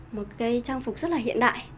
một cái trang phục rất là hiện đại